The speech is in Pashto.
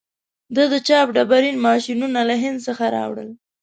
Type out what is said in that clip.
ده د چاپ ډبرین ماشینونه له هند څخه راوړل.